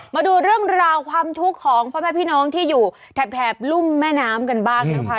มาดูเรื่องราวความทุกข์ของพ่อแม่พี่น้องที่อยู่แถบรุ่มแม่น้ำกันบ้างนะคะ